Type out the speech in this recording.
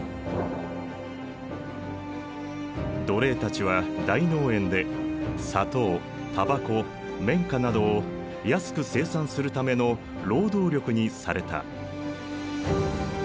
奴隷たちは大農園で砂糖タバコ綿花などを安く生産するための労働力にされた。